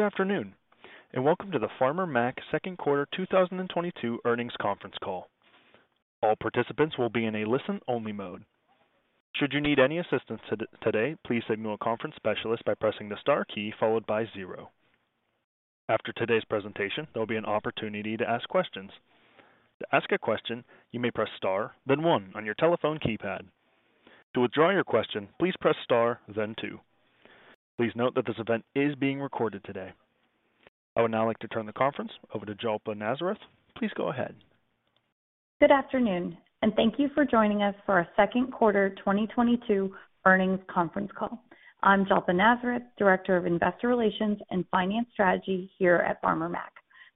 Good afternoon, and welcome to the Farmer Mac second quarter 2022 earnings conference call. All participants will be in a listen-only mode. Should you need any assistance today, please speak to a conference specialist by pressing the star key followed by zero. After today's presentation, there'll be an opportunity to ask questions. To ask a question, you may press star, then one on your telephone keypad. To withdraw your question, please press star then two. Please note that this event is being recorded today. I would now like to turn the conference over to Jalpa Nazareth. Please go ahead. Good afternoon, and thank you for joining us for our second quarter 2022 earnings conference call. I'm Jalpa Nazareth, Director of Investor Relations and Finance Strategy here at Farmer Mac.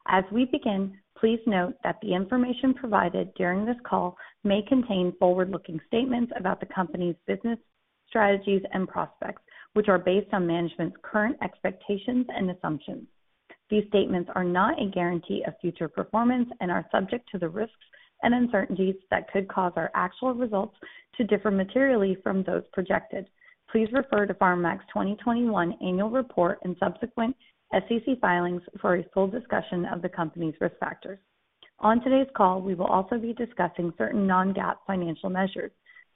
As we begin, please note that the information provided during this call may contain forward-looking statements about the company's business strategies and prospects, which are based on management's current expectations and assumptions. These statements are not a guarantee of future performance and are subject to the risks and uncertainties that could cause our actual results to differ materially from those projected. Please refer to Farmer Mac's 2021 annual report and subsequent SEC filings for a full discussion of the company's risk factors. On today's call, we will also be discussing certain non-GAAP financial measures.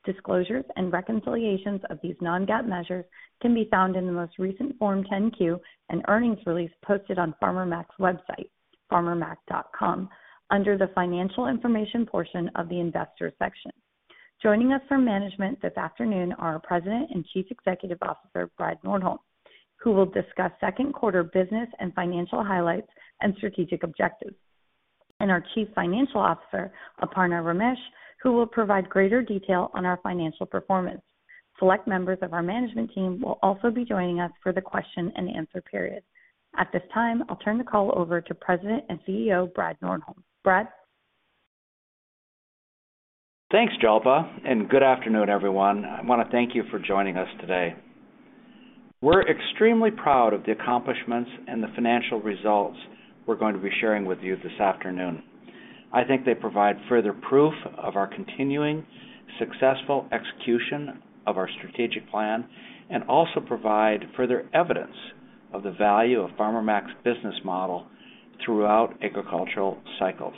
Disclosures and reconciliations of these non-GAAP measures can be found in the most recent Form 10-Q and earnings release posted on Farmer Mac's website, farmermac.com, under the financial information portion of the investor section. Joining us from management this afternoon are our President and Chief Executive Officer, Brad Nordholm, who will discuss second quarter business and financial highlights and strategic objectives. Our Chief Financial Officer, Aparna Ramesh, who will provide greater detail on our financial performance. Select members of our management team will also be joining us for the question and answer period. At this time, I'll turn the call over to President and CEO, Brad Nordholm. Brad? Thanks, Jalpa, and good afternoon, everyone. I want to thank you for joining us today. We're extremely proud of the accomplishments and the financial results we're going to be sharing with you this afternoon. I think they provide further proof of our continuing successful execution of our strategic plan and also provide further evidence of the value of Farmer Mac's business model throughout agricultural cycles.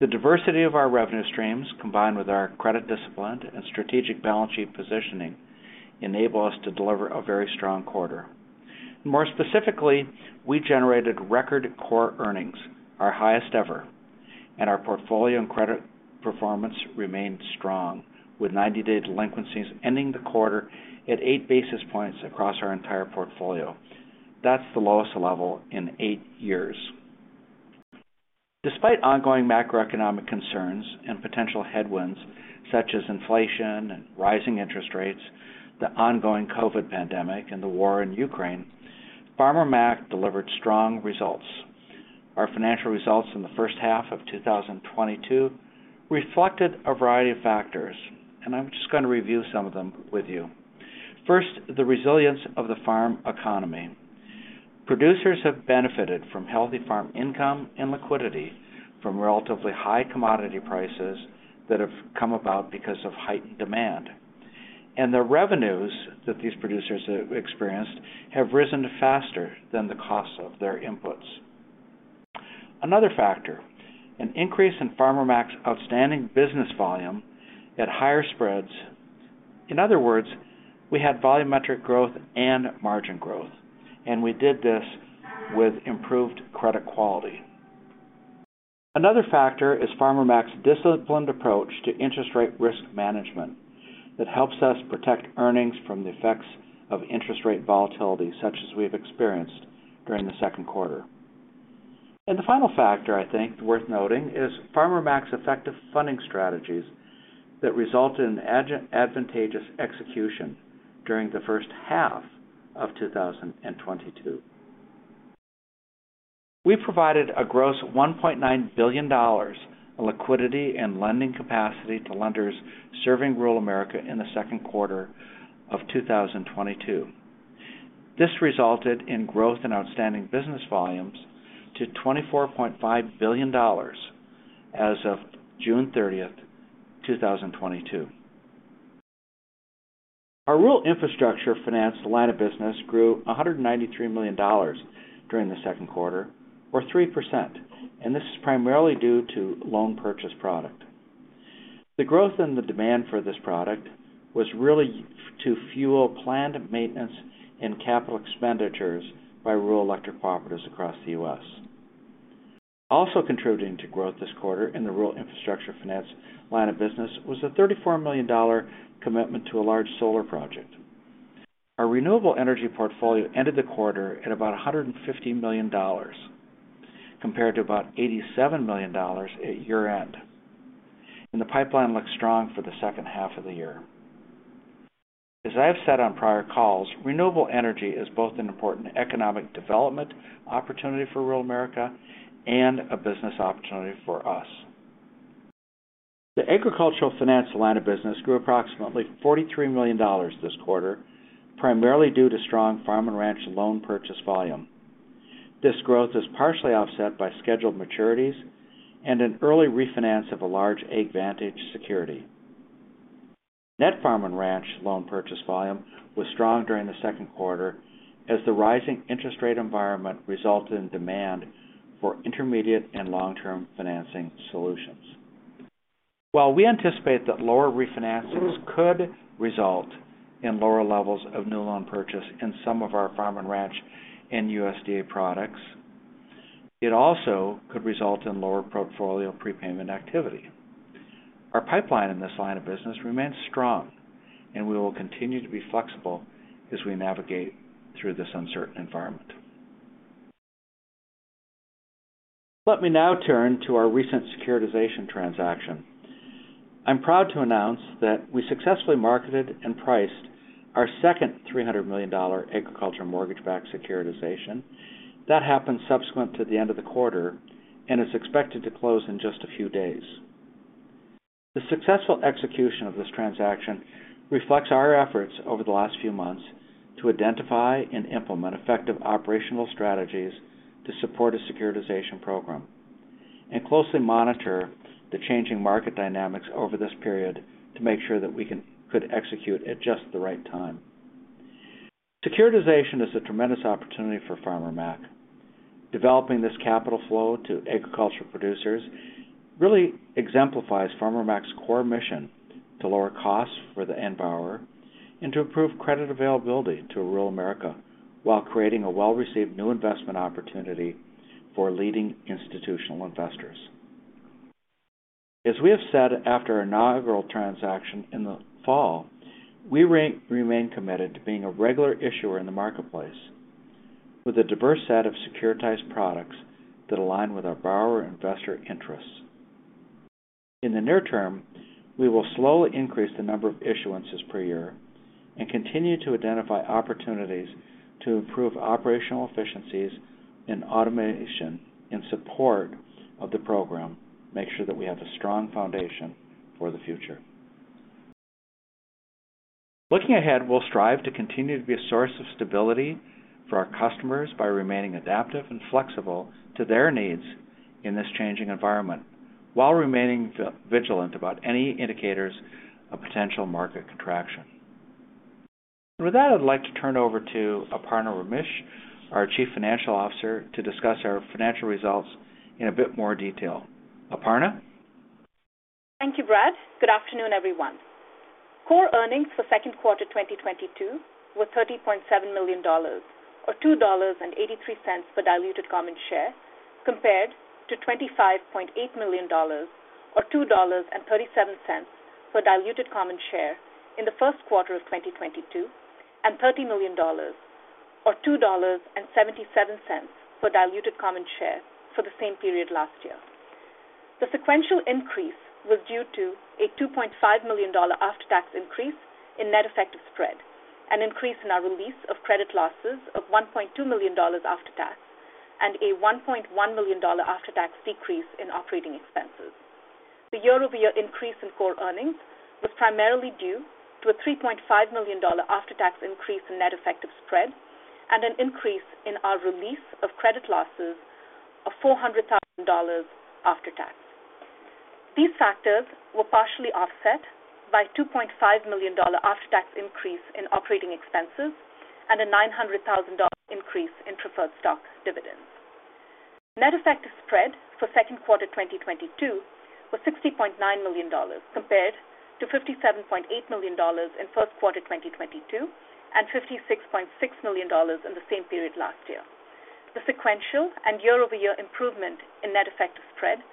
The diversity of our revenue streams, combined with our credit discipline and strategic balance sheet positioning, enable us to deliver a very strong quarter. More specifically, we generated record core earnings, our highest ever, and our portfolio and credit performance remained strong, with 90-day delinquencies ending the quarter at 8 basis points across our entire portfolio. That's the lowest level in eight years. Despite ongoing macroeconomic concerns and potential headwinds such as inflation and rising interest rates, the ongoing COVID pandemic and the war in Ukraine, Farmer Mac delivered strong results. Our financial results in the first half of 2022 reflected a variety of factors, and I'm just going to review some of them with you. First, the resilience of the farm economy. Producers have benefited from healthy farm income and liquidity from relatively high commodity prices that have come about because of heightened demand. The revenues that these producers have experienced have risen faster than the cost of their inputs. Another factor, an increase in Farmer Mac's outstanding business volume at higher spreads. In other words, we had volumetric growth and margin growth, and we did this with improved credit quality. Another factor is Farmer Mac's disciplined approach to interest rate risk management that helps us protect earnings from the effects of interest rate volatility, such as we have experienced during the second quarter. The final factor, I think, worth noting is Farmer Mac's effective funding strategies that result in advantageous execution during the first half of 2022. We provided a gross $1.9 billion liquidity and lending capacity to lenders serving rural America in the second quarter of 2022. This resulted in growth in outstanding business volumes to $24.5 billion as of June 30th, 2022. Our Rural Infrastructure Finance line of business grew $193 million during the second quarter, or 3%, and this is primarily due to loan purchase product. The growth in the demand for this product was really to fuel planned maintenance and capital expenditures by rural electric cooperatives across the U.S. Also contributing to growth this quarter in the Rural Infrastructure Finance line of business was a $34 million commitment to a large solar project. Our Renewable Energy portfolio ended the quarter at about $150 million, compared to about $87 million at year-end. The pipeline looks strong for the second half of the year. As I have said on prior calls, Renewable Energy is both an important economic development opportunity for rural America and a business opportunity for us. The Agricultural Finance line of business grew approximately $43 million this quarter, primarily due to strong Farm & Ranch loan purchase volume. This growth is partially offset by scheduled maturities and an early refinance of a large AgVantage security. Net Farm & Ranch loan purchase volume was strong during the second quarter as the rising interest rate environment resulted in demand for intermediate and long-term financing solutions. While we anticipate that lower refinances could result in lower levels of new loan purchase in some of our Farm & Ranch and USDA products, it also could result in lower portfolio prepayment activity. Our pipeline in this line of business remains strong and we will continue to be flexible as we navigate through this uncertain environment. Let me now turn to our recent securitization transaction. I'm proud to announce that we successfully marketed and priced our second $300 million agricultural mortgage-backed securitization. That happened subsequent to the end of the quarter and is expected to close in just a few days. The successful execution of this transaction reflects our efforts over the last few months to identify and implement effective operational strategies to support a securitization program and closely monitor the changing market dynamics over this period to make sure that we could execute at just the right time. Securitization is a tremendous opportunity for Farmer Mac. Developing this capital flow to agricultural producers really exemplifies Farmer Mac's core mission to lower costs for the end borrower and to improve credit availability to rural America while creating a well-received new investment opportunity for leading institutional investors. As we have said after our inaugural transaction in the fall, we remain committed to being a regular issuer in the marketplace with a diverse set of securitized products that align with our borrower investor interests. In the near term, we will slowly increase the number of issuances per year and continue to identify opportunities to improve operational efficiencies and automation in support of the program, make sure that we have a strong foundation for the future. Looking ahead, we'll strive to continue to be a source of stability for our customers by remaining adaptive and flexible to their needs in this changing environment while remaining vigilant about any indicators of potential market contraction. With that, I'd like to turn over to Aparna Ramesh, our Chief Financial Officer, to discuss our financial results in a bit more detail. Aparna. Thank you, Brad. Good afternoon, everyone. Core earnings for second quarter 2022 were $30.7 million or $2.83 per diluted common share, compared to $25.8 million or $2.37 per diluted common share in the first quarter of 2022, and $30 million or $2.77 per diluted common share for the same period last year. The sequential increase was due to a $2.5 million after-tax increase in net effective spread, an increase in our release of credit losses of $1.2 million after tax, and a $1.1 million after-tax decrease in operating expenses. The year-over-year increase in core earnings was primarily due to a $3.5 million after-tax increase in net effective spread and an increase in our release of credit losses of $400,000 after tax. These factors were partially offset by $2.5 million after-tax increase in operating expenses and a $900,000 increase in preferred stock dividends. Net effective spread for second quarter 2022 was $60.9 million compared to $57.8 million in first quarter 2022 and $56.6 million in the same period last year. The sequential and year-over-year improvement in net effective spread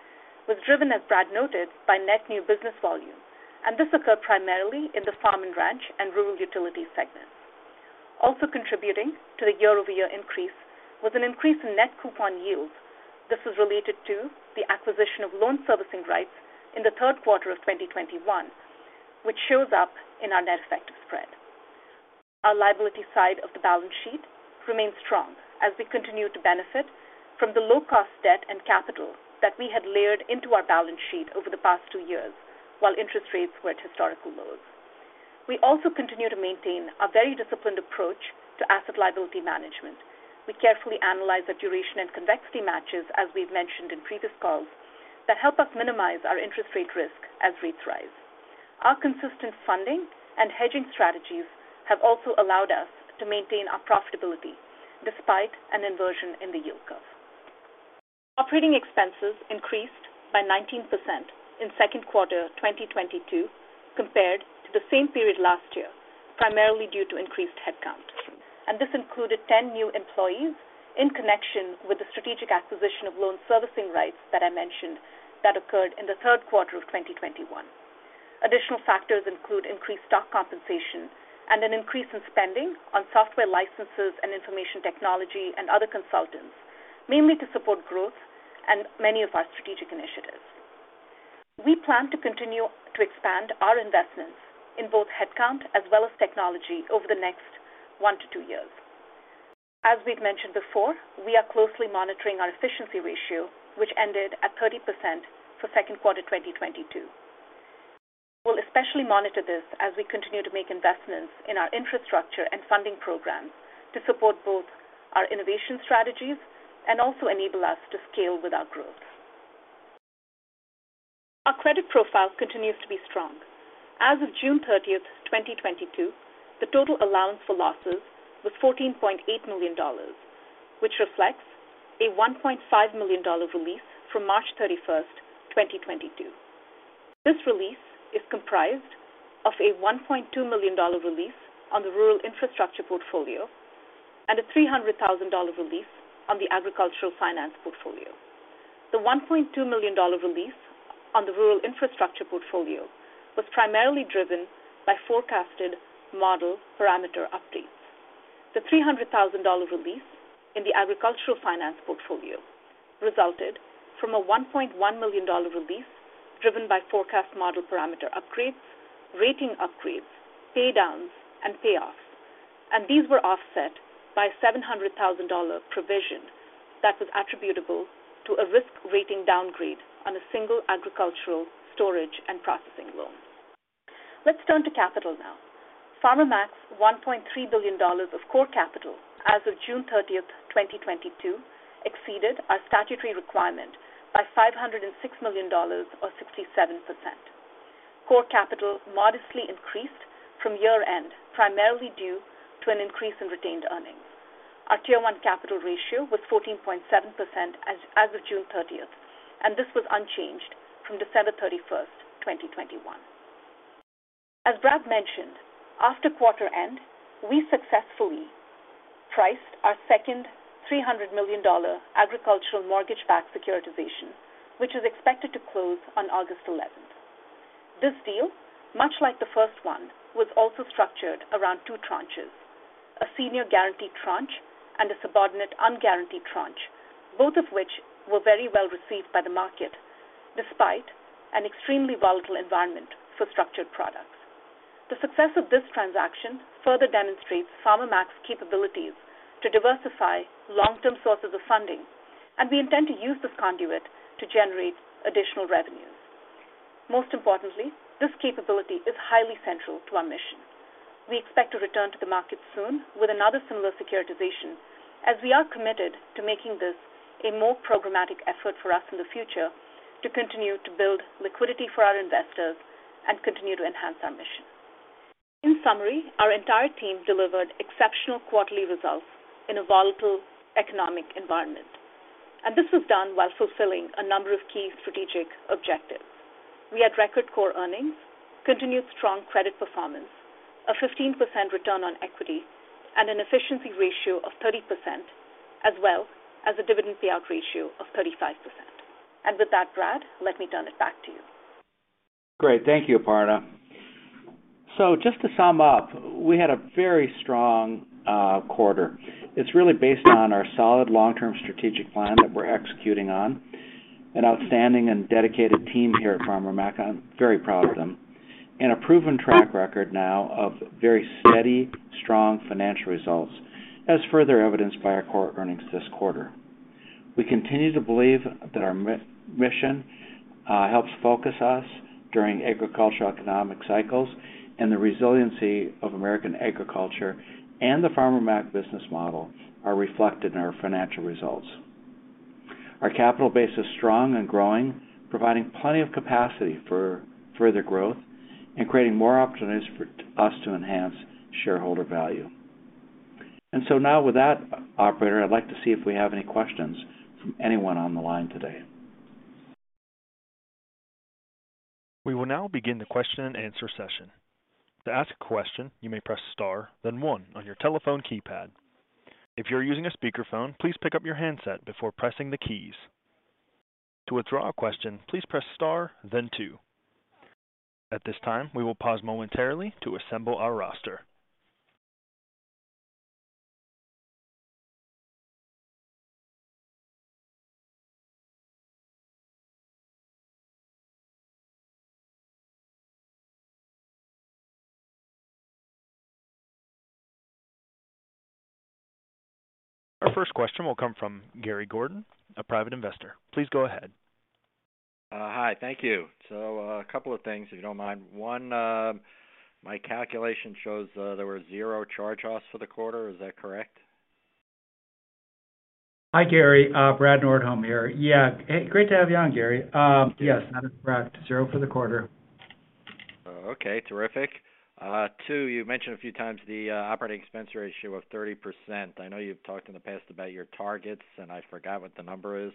was driven, as Brad noted, by net new business volume, and this occurred primarily in the Farm & Ranch and rural utility segments. Also contributing to the year-over-year increase was an increase in net coupon yields. This was related to the acquisition of loan servicing rights in the third quarter of 2021, which shows up in our net effective spread. Our liability side of the balance sheet remains strong as we continue to benefit from the low-cost debt and capital that we had layered into our balance sheet over the past two years while interest rates were at historical lows. We also continue to maintain a very disciplined approach to asset liability management. We carefully analyze the duration and convexity matches, as we've mentioned in previous calls, that help us minimize our interest rate risk as rates rise. Our consistent funding and hedging strategies have also allowed us to maintain our profitability despite an inversion in the yield curve. Operating expenses increased by 19% in second quarter 2022 compared to the same period last year, primarily due to increased headcount. This included 10 new employees in connection with the strategic acquisition of loan servicing rights that I mentioned that occurred in the third quarter of 2021. Additional factors include increased stock compensation and an increase in spending on software licenses and information technology and other consultants, mainly to support growth and many of our strategic initiatives. We plan to continue to expand our investments in both headcount as well as technology over the next 1-2 years. As we've mentioned before, we are closely monitoring our efficiency ratio, which ended at 30% for second quarter 2022. We'll especially monitor this as we continue to make investments in our infrastructure and funding programs to support both our innovation strategies and also enable us to scale with our growth. Our credit profile continues to be strong. As of June 30th, 2022, the total allowance for losses was $14.8 million, which reflects a $1.5 million release from March 31st, 2022. This release is comprised of a $1.2 million release on the rural infrastructure portfolio and a $300 thousand release on the agricultural finance portfolio. The $1.2 million release on the rural infrastructure portfolio was primarily driven by forecasted model parameter updates. The $300,000 release in the agricultural finance portfolio resulted from a $1.1 million release driven by forecast model parameter upgrades, rating upgrades, pay downs and payoffs. These were offset by $700 thousand provision that was attributable to a risk rating downgrade on a single agricultural storage and processing loan. Let's turn to capital now. Farmer Mac's $1.3 billion of core capital as of June 30, 2022 exceeded our statutory requirement by $506 million or 67%. Core capital modestly increased from year-end, primarily due to an increase in retained earnings. Our Tier 1 capital ratio was 14.7% as of June 30th, and this was unchanged from December 31st, 2021. As Brad mentioned, after quarter end, we successfully priced our second $300 million agricultural mortgage-backed securitization, which is expected to close on August 11th. This deal, much like the first one, was also structured around two tranches: a senior guaranteed tranche and a subordinate unguaranteed tranche, both of which were very well received by the market despite an extremely volatile environment for structured products. The success of this transaction further demonstrates Farmer Mac's capabilities to diversify long-term sources of funding, and we intend to use this conduit to generate additional revenues. Most importantly, this capability is highly central to our mission. We expect to return to the market soon with another similar securitization as we are committed to making this a more programmatic effort for us in the future to continue to build liquidity for our investors and continue to enhance our mission. In summary, our entire team delivered exceptional quarterly results in a volatile economic environment, and this was done while fulfilling a number of key strategic objectives. We had record core earnings, continued strong credit performance, a 15% return on equity, and an efficiency ratio of 30%, as well as a dividend payout ratio of 35%. With that, Brad, let me turn it back to you. Great. Thank you, Aparna. So just to sum up, we had a very strong quarter. It's really based on our solid long-term strategic plan that we're executing on, an outstanding and dedicated team here at Farmer Mac, I'm very proud of them, and a proven track record now of very steady, strong financial results, as further evidenced by our core earnings this quarter. We continue to believe that our mission helps focus us during agricultural economic cycles and the resiliency of American agriculture and the Farmer Mac business model are reflected in our financial results. Our capital base is strong and growing, providing plenty of capacity for further growth and creating more opportunities for us to enhance shareholder value. Now with that, operator, I'd like to see if we have any questions from anyone on the line today. We will now begin the question and answer session. To ask a question, you may press star, then one on your telephone keypad. If you're using a speakerphone, please pick up your handset before pressing the keys. To withdraw a question, please press star then two. At this time, we will pause momentarily to assemble our roster. Our first question will come from Gary Gordon, a Private Investor. Please go ahead. Hi. Thank you. A couple of things, if you don't mind. One, my calculation shows there were zero charge-offs for the quarter. Is that correct? Hi, Gary. Brad Nordholm here. Yeah. Hey, great to have you on, Gary. Yes, that is correct. Zero for the quarter. Okay, terrific. Two, you mentioned a few times the operating expense ratio of 30%. I know you've talked in the past about your targets, and I forgot what the number is.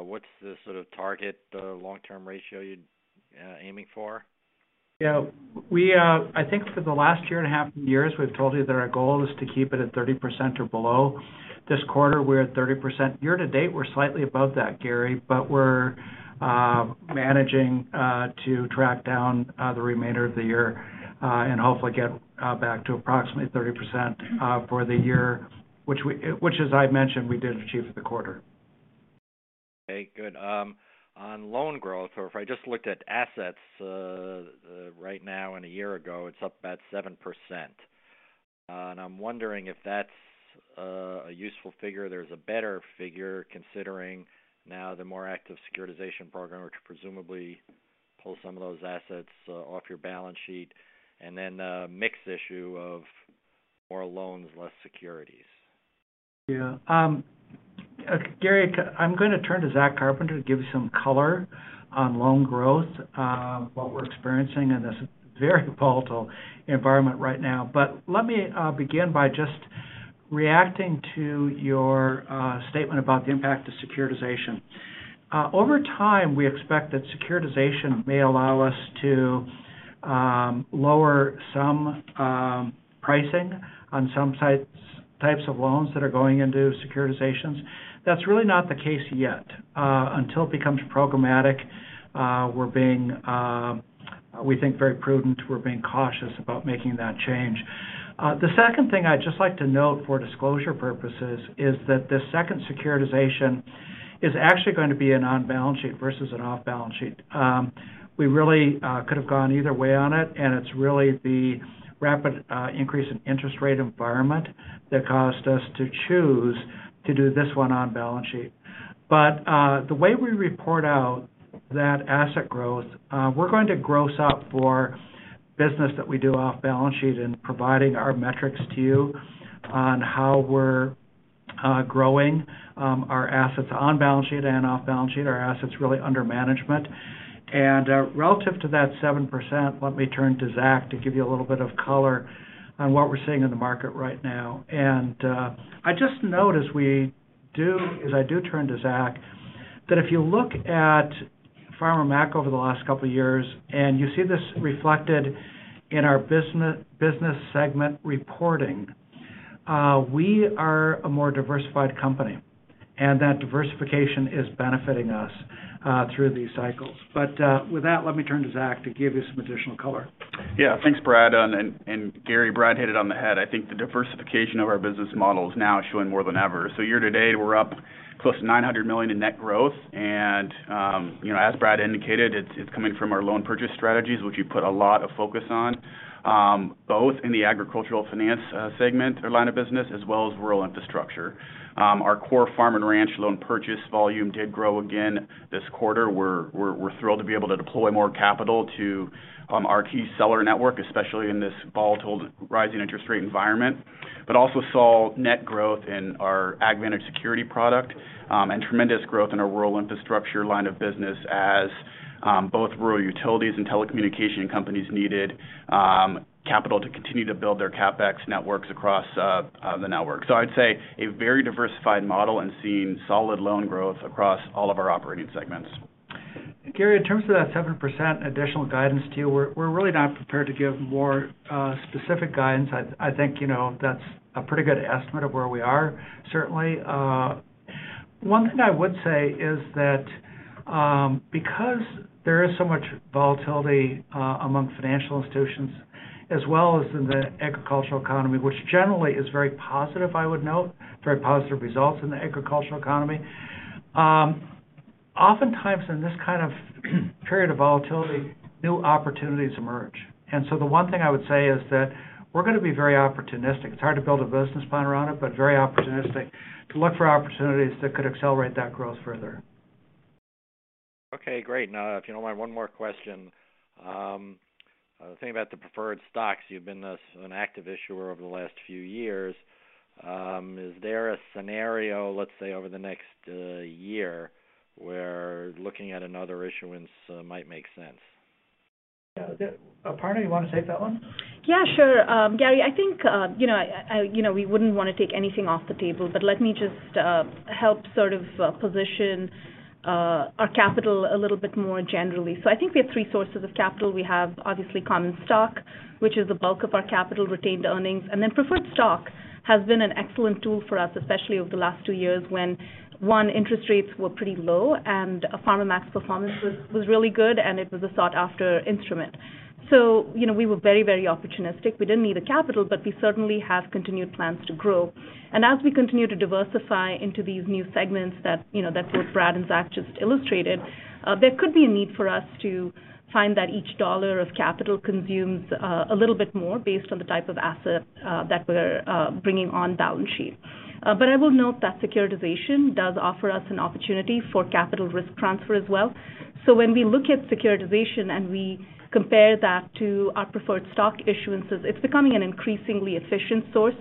What's the sort of target long-term ratio you're aiming for? Yeah, I think for the last year and a half years we've told you that our goal is to keep it at 30% or below. This quarter, we're at 30%. Year to date, we're slightly above that, Gary, but we're managing to track down the remainder of the year and hopefully get back to approximately 30% for the year, which as I mentioned, we did achieve for the quarter. Okay, good. On loan growth, or if I just looked at assets, right now and a year ago, it's up about 7%. I'm wondering if that's a useful figure. There's a better figure considering now the more active securitization program, which presumably pull some of those assets off your balance sheet, and then a mix issue of more loans, less securities. Yeah. Gary Gordon, I'm gonna turn to Zach Carpenter to give you some color on loan growth, what we're experiencing in this very volatile environment right now. Let me begin by just reacting to your statement about the impact of securitization. Over time, we expect that securitization may allow us to lower some pricing on some types of loans that are going into securitizations. That's really not the case yet. Until it becomes programmatic, we're being, we think very prudent, we're being cautious about making that change. The second thing I'd just like to note for disclosure purposes is that the second securitization is actually going to be an on balance sheet versus an off balance sheet. We really could have gone either way on it, and it's really the rapid increase in interest rate environment that caused us to choose to do this one on balance sheet. The way we report out that asset growth, we're going to gross up for business that we do off balance sheet in providing our metrics to you on how we're growing our assets on balance sheet and off balance sheet, our assets really under management. Relative to that 7%, let me turn to Zach to give you a little bit of color on what we're seeing in the market right now. I just note as I do turn to Zach, that if you look at Farmer Mac over the last couple years, and you see this reflected in our business segment reporting, we are a more diversified company, and that diversification is benefiting us through these cycles. With that, let me turn to Zach to give you some additional color. Yeah. Thanks, Brad, and Gary. Brad hit it on the head. I think the diversification of our business model is now showing more than ever. Year-to-date, we're up close to $900 million in net growth. As Brad indicated, it's coming from our loan purchase strategies, which we put a lot of focus on, both in the agricultural finance segment or line of business, as well as rural infrastructure. Our core farm and ranch loan purchase volume did grow again this quarter. We're thrilled to be able to deploy more capital to our key seller network, especially in this volatile rising interest rate environment, but also saw net growth in our AgVantage security product, and tremendous growth in our rural infrastructure line of business as both rural utilities and telecommunication companies needed capital to continue to build their CapEx networks across the network. I'd say a very diversified model and seeing solid loan growth across all of our operating segments. Gary, in terms of that 7% additional guidance to you, we're really not prepared to give more specific guidance. I think, you know, that's a pretty good estimate of where we are, certainly. One thing I would say is that because there is so much volatility among financial institutions as well as in the agricultural economy, which generally is very positive, I would note, very positive results in the agricultural economy. Oftentimes in this kind of period of volatility, new opportunities emerge. The one thing I would say is that we're gonna be very opportunistic. It's hard to build a business plan around it, but very opportunistic to look for opportunities that could accelerate that growth further. Okay, great. Now, if you don't mind, one more question. Thinking about the preferred stocks, you've been an active issuer over the last few years. Is there a scenario, let's say, over the next year, where looking at another issuance might make sense? Yeah. Aparna, you wanna take that one? Yeah, sure. Gary, I think you know we wouldn't wanna take anything off the table, but let me just help sort of position our capital a little bit more generally. I think we have three sources of capital. We have, obviously, common stock, which is the bulk of our capital retained earnings. Preferred stock has been an excellent tool for us, especially over the last two years when one interest rates were pretty low and Farmer Mac's performance was really good, and it was a sought-after instrument. You know, we were very, very opportunistic. We didn't need the capital, but we certainly have continued plans to grow. As we continue to diversify into these new segments that, you know, that both Brad and Zach just illustrated, there could be a need for us to find that each dollar of capital consumes a little bit more based on the type of asset that we're bringing on balance sheet. I will note that securitization does offer us an opportunity for capital risk transfer as well. When we look at securitization and we compare that to our preferred stock issuances, it's becoming an increasingly efficient source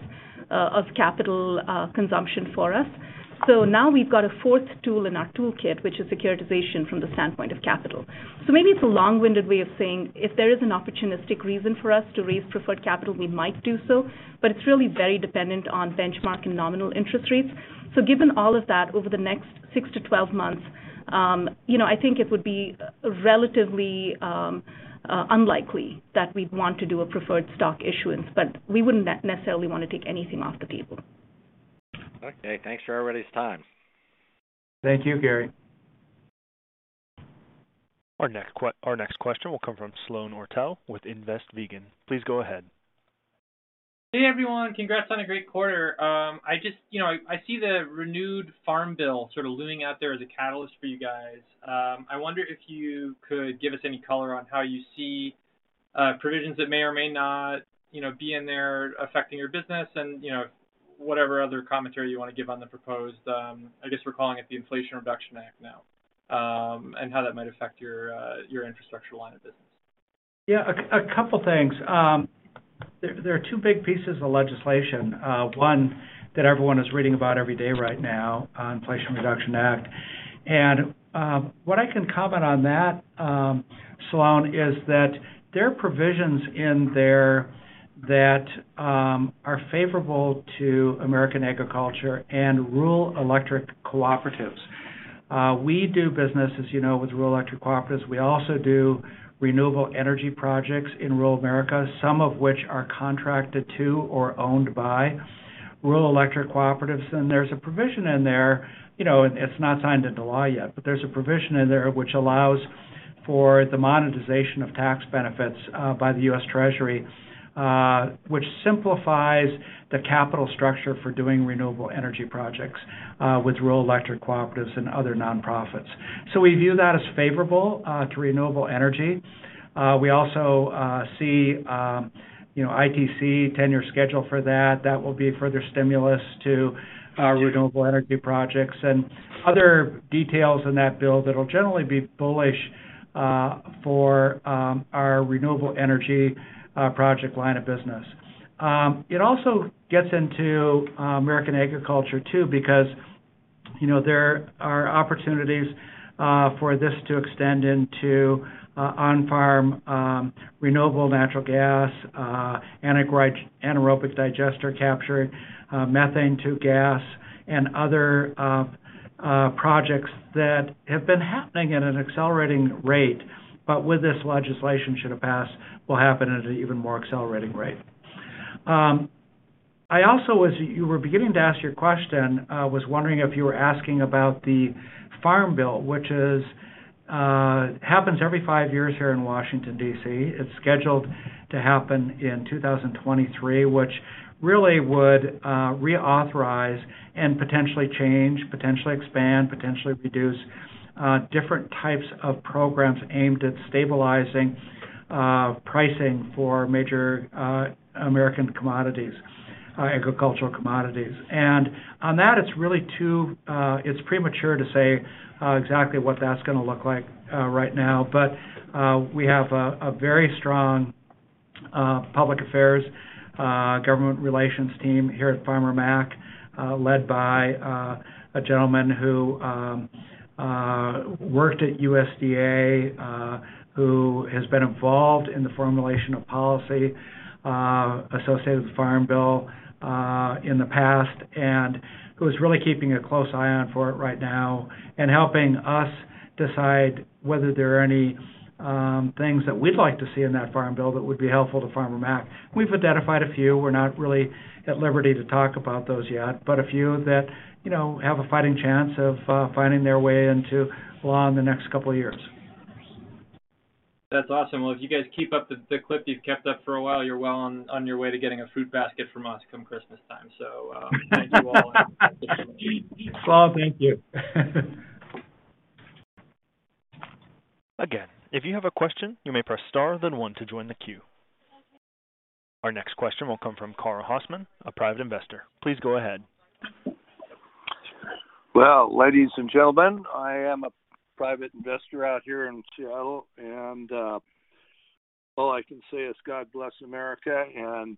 of capital consumption for us. Now we've got a fourth tool in our toolkit, which is securitization from the standpoint of capital. Maybe it's a long-winded way of saying if there is an opportunistic reason for us to raise preferred capital, we might do so, but it's really very dependent on benchmark and nominal interest rates. Given all of that, over the next 6-12 months, you know, I think it would be relatively unlikely that we'd want to do a preferred stock issuance, but we wouldn't necessarily wanna take anything off the table. Okay. Thanks for everybody's time. Thank you, Gary. Our next question will come from Sloane Ortel with Invest Vegan. Please go ahead. Hey, everyone. Congrats on a great quarter. You know, I see the renewed Farm Bill sort of looming out there as a catalyst for you guys. I wonder if you could give us any color on how you see provisions that may or may not, you know, be in there affecting your business and, you know, whatever other commentary you wanna give on the proposed, I guess we're calling it the Inflation Reduction Act now, and how that might affect your your infrastructure line of business. Yeah, a couple things. There are two big pieces of legislation. One that everyone is reading about every day right now, Inflation Reduction Act. What I can comment on that, Sloane, is that there are provisions in there that are favorable to American agriculture and rural electric cooperatives. We do business, as you know, with rural electric cooperatives. We also do renewable energy projects in rural America, some of which are contracted to or owned by rural electric cooperatives. There's a provision in there, you know, it's not signed into law yet, but there's a provision in there which allows for the monetization of tax benefits by the U.S. Treasury, which simplifies the capital structure for doing renewable energy projects with rural electric cooperatives and other nonprofits. We view that as favorable to renewable energy. We also see you know ITC ten-year schedule for that. That will be further stimulus to our renewable energy projects and other details in that bill that'll generally be bullish for our renewable energy project line of business. It also gets into American agriculture too, because you know there are opportunities for this to extend into on-farm renewable natural gas, anaerobic digester capture, methane to gas and other projects that have been happening at an accelerating rate. With this legislation should have passed will happen at an even more accelerating rate. I also, as you were beginning to ask your question, was wondering if you were asking about the Farm Bill, which happens every five years here in Washington, D.C. It's scheduled to happen in 2023, which really would reauthorize and potentially change, potentially expand, potentially reduce different types of programs aimed at stabilizing pricing for major American commodities, agricultural commodities. On that, it's premature to say exactly what that's gonna look like right now. We have a very strong public affairs government relations team here at Farmer Mac, led by a gentleman who worked at USDA, who has been involved in the formulation of policy associated with the Farm Bill in the past, and who is really keeping a close eye on it right now and helping us decide whether there are any things that we'd like to see in that Farm Bill that would be helpful to Farmer Mac. We've identified a few. We're not really at liberty to talk about those yet, but a few that, you know, have a fighting chance of finding their way into law in the next couple of years. That's awesome. Well, if you guys keep up the clip you've kept up for a while, you're well on your way to getting a fruit basket from us come Christmas time. Thank you all. Well, thank you. Again, if you have a question, you may press star, then one to join the queue. Our next question will come from Carl Hosman, a private investor. Please go ahead. Well, ladies and gentlemen, I am a private investor out here in Seattle, and, all I can say is God bless America and,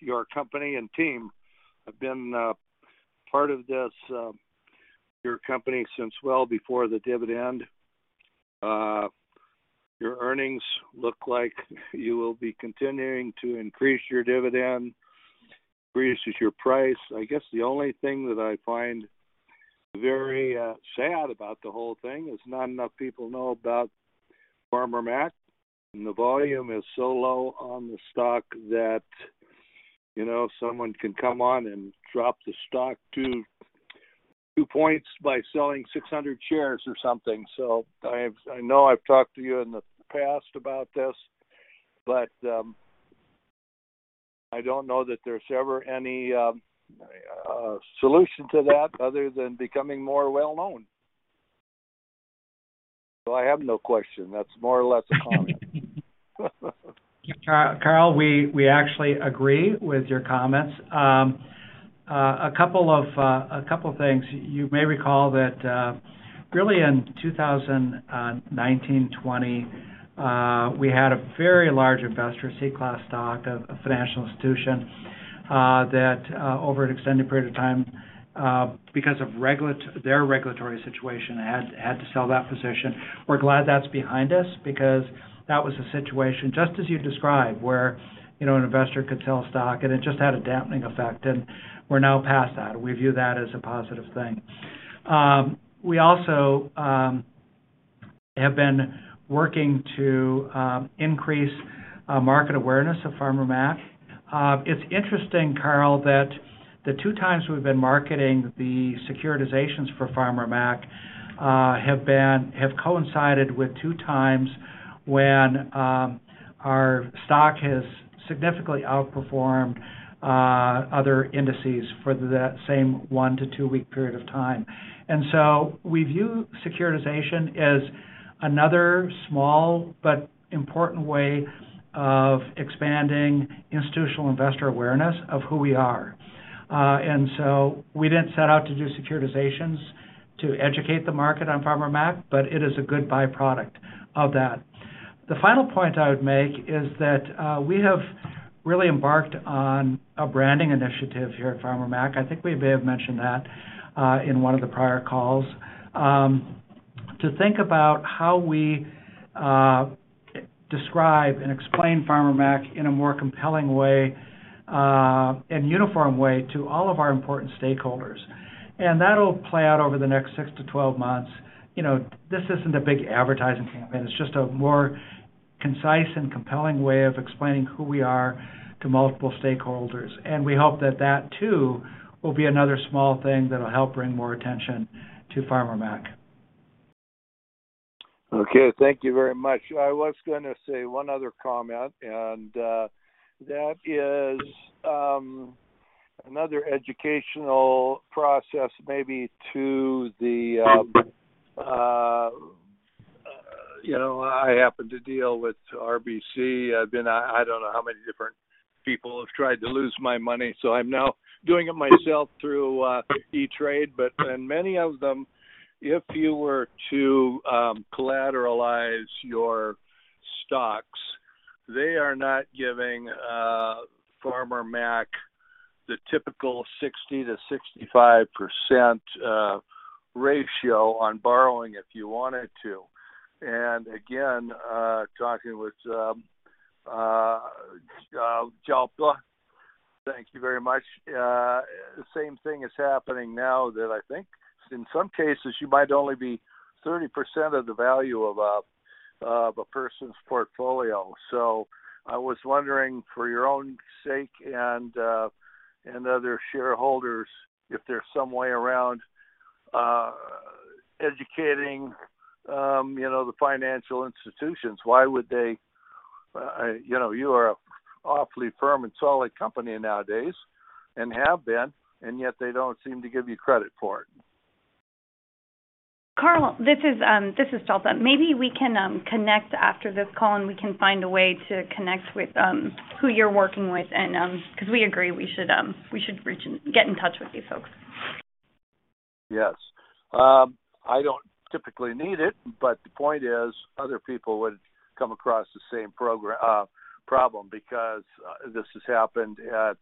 your company and team. I've been, part of this, your company since well before the dividend. Your earnings look like you will be continuing to increase your dividend, increases your price. I guess the only thing that I find very, sad about the whole thing is not enough people know about Farmer Mac, and the volume is so low on the stock that, you know, someone can come on and drop the stock two points by selling 600 shares or something. I know I've talked to you in the past about this, but, I don't know that there's ever any, solution to that other than becoming more well-known. I have no question. That's more or less a comment. Carl, we actually agree with your comments. A couple things. You may recall that really in 2019, 2020, we had a very large investor, C-class stock, a financial institution that over an extended period of time because of their regulatory situation had to sell that position. We're glad that's behind us because that was a situation, just as you described, where you know an investor could sell stock, and it just had a dampening effect, and we're now past that. We view that as a positive thing. We also have been working to increase market awareness of Farmer Mac. It's interesting, Carl, that the two times we've been marketing the securitizations for Farmer Mac have coincided with two times when our stock has significantly outperformed other indices for the same one- to two-week period of time. We view securitization as another small but important way of expanding institutional investor awareness of who we are. We didn't set out to do securitizations to educate the market on Farmer Mac, but it is a good byproduct of that. The final point I would make is that we have really embarked on a branding initiative here at Farmer Mac. I think we may have mentioned that in one of the prior calls to think about how we describe and explain Farmer Mac in a more compelling way and uniform way to all of our important stakeholders. That'll play out over the next 6-12 months. You know, this isn't a big advertising campaign. It's just a more concise and compelling way of explaining who we are to multiple stakeholders. We hope that that too will be another small thing that'll help bring more attention to Farmer Mac. Okay, thank you very much. I was gonna say one other comment, and that is another educational process maybe to the, you know, I happen to deal with RBC. I don't know how many different people have tried to lose my money, so I'm now doing it myself through E*TRADE. Many of them, if you were to collateralize your stocks, they are not giving Farmer Mac the typical 60%-65% ratio on borrowing if you wanted to. Again, talking with Jalpa, thank you very much. The same thing is happening now that I think in some cases you might only be 30% of the value of a person's portfolio. I was wondering, for your own sake and other shareholders, if there's some way around educating, you know, the financial institutions. Why would they, you know, you are a awfully firm and solid company nowadays and have been, and yet they don't seem to give you credit for it. Carl, this is Jalpa. Maybe we can connect after this call, and we can find a way to connect with who you're working with and 'cause we agree we should reach and get in touch with these folks. Yes. I don't typically need it, but the point is other people would come across the same problem because this has happened at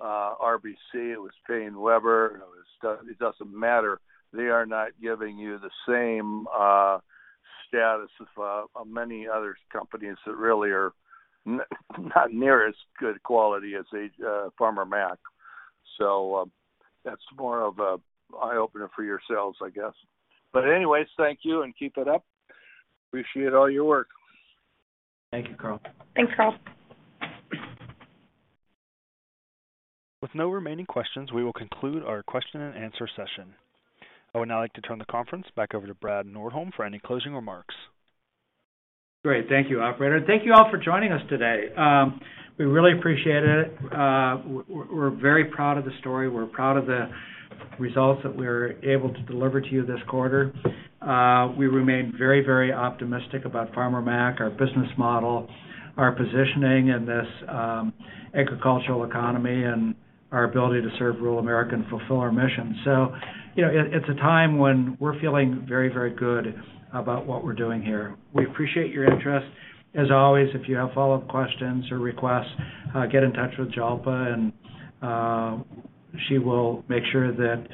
RBC. It was PaineWebber. It was done. It doesn't matter. They are not giving you the same status as many other companies that really are not near as good quality as Farmer Mac. That's more of an eye-opener for yourselves, I guess. Anyways, thank you, and keep it up. Appreciate all your work. Thank you, Carl. Thanks, Carl. With no remaining questions, we will conclude our question and answer session. I would now like to turn the conference back over to Brad Nordholm for any closing remarks. Great. Thank you, operator. Thank you all for joining us today. We really appreciate it. We're very proud of the story. We're proud of the results that we're able to deliver to you this quarter. We remain very, very optimistic about Farmer Mac, our business model, our positioning in this agricultural economy, and our ability to serve rural America and fulfill our mission. You know, it's a time when we're feeling very, very good about what we're doing here. We appreciate your interest. As always, if you have follow-up questions or requests, get in touch with Jalpa, and she will make sure that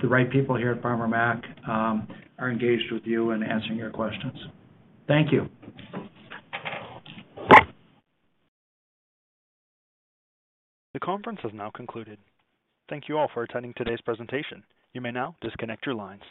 the right people here at Farmer Mac are engaged with you in answering your questions. Thank you. The conference has now concluded. Thank you all for attending today's presentation. You may now disconnect your lines.